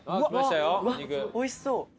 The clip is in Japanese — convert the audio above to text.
うわおいしそう。